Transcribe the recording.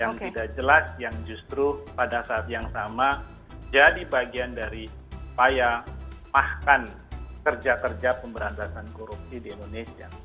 yang tidak jelas yang justru pada saat yang sama jadi bagian dari payahkan kerja kerja pemberantasan korupsi di indonesia